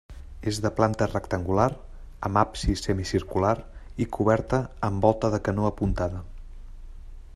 És de planta rectangular, amb absis semicircular i coberta amb volta de canó apuntada.